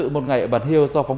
một ngày ở bàn hieu thật tuyệt